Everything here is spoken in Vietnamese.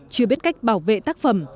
chưa biết cách bảo vệ tác phẩm